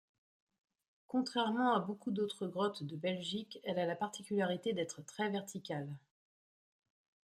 Contrairement à beaucoup d'autres grottes de Belgique, elle a la particularité d'être très verticale.